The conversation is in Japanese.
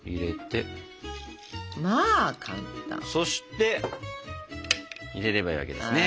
そして入れればいいわけですね。